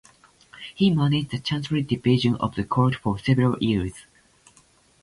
He managed the Chancery division of the court for several years.